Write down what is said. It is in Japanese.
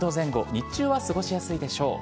日中は過ごしやすいでしょう。